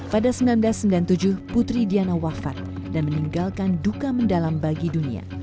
pada seribu sembilan ratus sembilan puluh tujuh putri diana wafat dan meninggalkan duka mendalam bagi dunia